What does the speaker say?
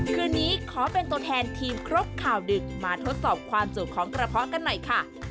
คืนนี้ขอเป็นตัวแทนทีมครบข่าวดึกมาทดสอบความจุของกระเพาะกันหน่อยค่ะ